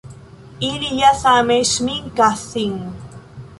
Ili ja same ŝminkas sin!